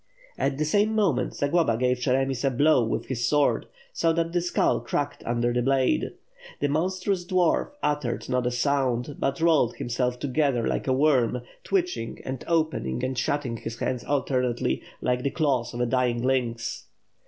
At the same moment, Zagloba gave Cheremis a blow with his sword; so that the skull cracked under the blade. The monstrous dwarf uttered not a sound, but rolled himself together like a worm, twitching, and opening and shutting his hands al ternately, like the claws of a dying lynx.